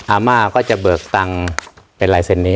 อาม่าก็จะเบิกตังค์เป็นลายเซ็นนี้